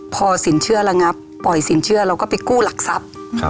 พอสินเชื่อระงับปล่อยสินเชื่อเราก็ไปกู้หลักทรัพย์